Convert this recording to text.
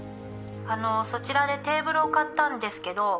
あのそちらでテーブルを買ったんですけど。